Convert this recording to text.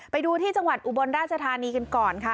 ไปดูที่จังหวัดอุบลราชธานีกันก่อนค่ะ